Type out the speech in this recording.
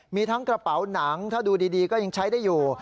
มีทั้งกระเป๋าหนังถ้าดูดีก็ยังใช้ได้อยู่